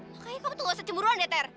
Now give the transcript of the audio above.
makanya kamu tuh gak usah cemburu ander ter